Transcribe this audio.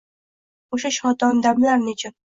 O’sha shodon damlar nechun